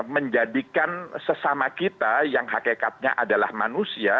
menjadikan sesama kita yang hakikatnya adalah manusia